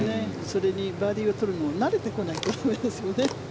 それにバーディーを取るのに慣れてこないと駄目ですね。